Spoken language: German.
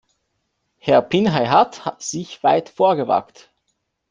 Herr Pinheihat sich weit vorgewagt.